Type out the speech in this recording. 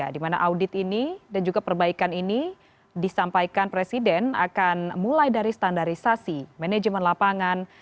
di mana audit ini dan juga perbaikan ini disampaikan presiden akan mulai dari standarisasi manajemen lapangan